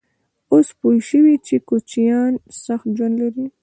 _اوس پوه شوې چې کوچيان سخت ژوند لري؟